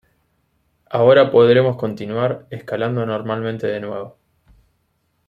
Ahora podremos continuar escalando normalmente de nuevo".